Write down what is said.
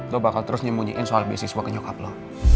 lo bakal terus nyembunyiin soal bisnis gue ke nyokap lo